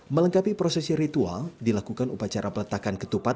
melengkapi prosesi ritual dilakukan upacara peletakan ketupat